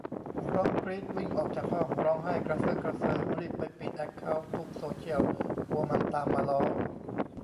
ร้องกรี๊ด วิ่งออกจากห้อง ร้องไห้กระเซอะกระเซิง รีบไปปิดแอคเคานท์ทุกโซเซียล กลัวมันตามมาล้อ